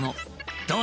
「どう？